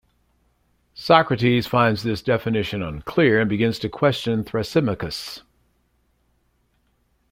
Socrates finds this definition unclear and begins to question Thrasymachus.